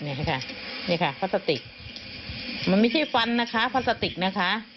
นี่ค่ะนี่ค่ะพลาสติกมันไม่ใช่ฟันนะคะพลาสติกนะคะ